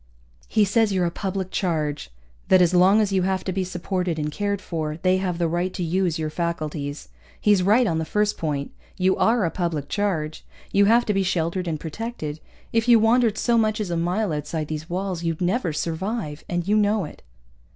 "He says you're a public charge, that as long as you have to be supported and cared for, they have the right to use your faculties. He's right on the first point. You are a public charge. You have to be sheltered and protected. If you wandered so much as a mile outside these walls you'd never survive, and you know it."